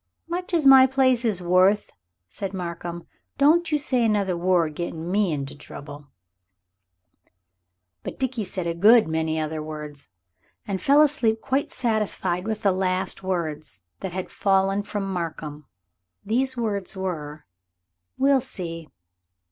"Much as my place is worth," said Markham; "don't you say another word getting me into trouble." But Dickie said a good many other words, and fell asleep quite satisfied with the last words that had fallen from Markham. These words were: "We'll see."